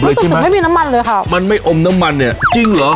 จนถึงไม่มีน้ำมันเลยค่ะมันไม่อมน้ำมันเนี่ยจริงเหรอ